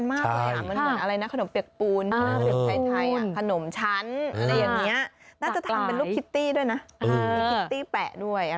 มีคิตตี้แปะด้วย